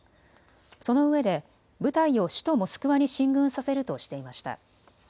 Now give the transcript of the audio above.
そのうえで部隊を首都モスクワに進軍させるとしていました。